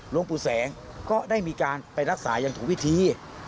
หลวงปู่แสงก็ได้มีการไปรักษาอย่างถูกวิธี